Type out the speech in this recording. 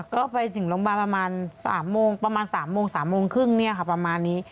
ค่ะไปถึงลงบานประมาณสามโมงสามโมงครึ่งเนี่ยค่ะประมาณนี้